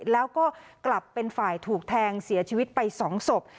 แล้วก็กลับเป็นฝ่ายถูกแทงเสียชีวิตไป๒ศพ